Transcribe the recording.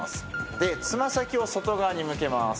でつま先を外側に向けます。